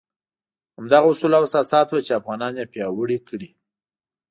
همدغه اصول او اساسات وو چې افغانان یې پیاوړي کړي.